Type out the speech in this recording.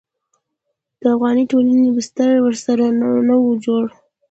د افغاني ټولنې بستر ورسره نه و جوړ.